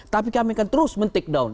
tapi kami akan terus men takedown